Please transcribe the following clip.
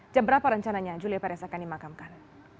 jam berapa rencananya julia perez akan dimakamkan